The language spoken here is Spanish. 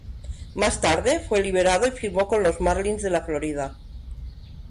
Más tarde fue liberado y firmó con los Marlins de la Florida.